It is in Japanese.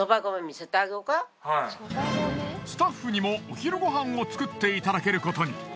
スタッフにもお昼ごはんを作っていただけることに。